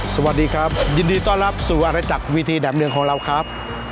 สวัสดีครับยินดีต้อนรับสวัสดีจากวิธีแหนมเนืองของเราครับ